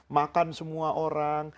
makan semua orang